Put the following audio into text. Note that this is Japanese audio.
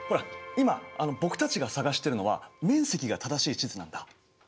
今僕たちが探してるのは面積が正しい地図なんだ。